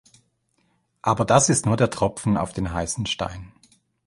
Aber das ist nur der Tropfen auf den heißen Stein.